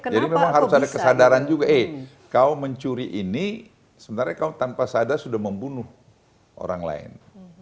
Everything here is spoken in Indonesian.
jadi memang harus ada kesadaran juga eh kau mencuri ini sebenarnya kau tanpa sadar sudah membunuh orang lain